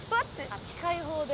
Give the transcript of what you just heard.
「あっ近い方で」